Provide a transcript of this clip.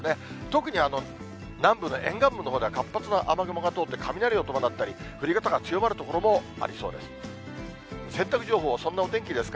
特に南部の沿岸部のほうでは活発な雨雲が通って、雷を伴ったり、降り方が強まる所もありそうです。